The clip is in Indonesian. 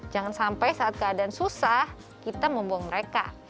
jangan sampai saat keadaan susah kita membuang mereka